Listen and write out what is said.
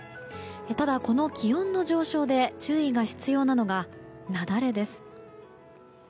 ただ、この気温の上昇で注意が必要なのが雪崩です。